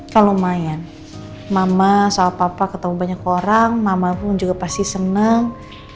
kan lumayan mama sama papa ketemu banyak orang mama pun juga pasti seneng